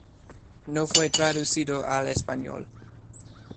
No fue traducido al español.